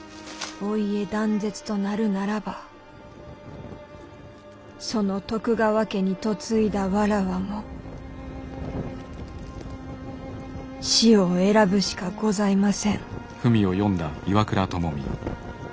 お家断絶となるならばその徳川家に嫁いだ妾も死を選ぶしかございません」。